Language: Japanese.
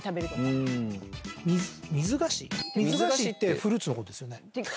水菓子ってフルーツのことですよね？